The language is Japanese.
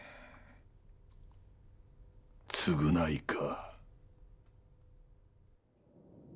償いか。